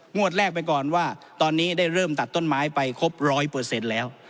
งวดแรกไปก่อนว่าตอนนี้ได้เริ่มตัดต้นไม้ไปครบร้อยเปอร์เซ็นต์แล้ว